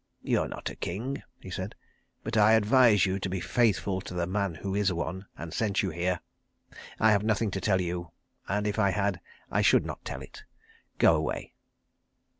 "You are not a king," he said, "but I advise you to be faithful to the man who is one, and sent you here. I have nothing to tell you, and if I had I should not tell it. Go away."